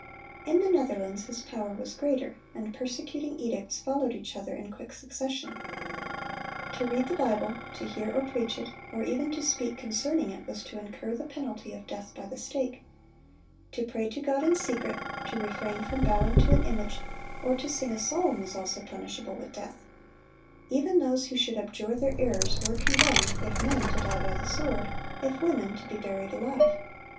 In the Netherlands his power was greater, and persecuting edicts followed each other in quick succession. To read the Bible, to hear or preach it, or even to speak concerning it, was to incur the penalty of death by the stake. To pray to God in secret, to refrain from bowing to an image, or to sing a psalm, was also punishable with death. Even those who should abjure their errors, were condemned, if men, to die by the sword; if women, to be buried alive.